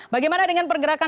bagaimana dengan pergerakan